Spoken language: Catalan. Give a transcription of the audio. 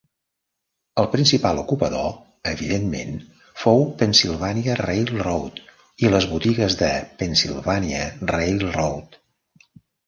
El principal ocupador, evidentment, fou Pennsylvania Railroad i les botigues de Pennsylvania Railroad.